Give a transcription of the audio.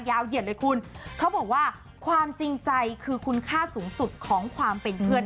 เหยียดเลยคุณเขาบอกว่าความจริงใจคือคุณค่าสูงสุดของความเป็นเพื่อน